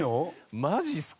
マジっすか！？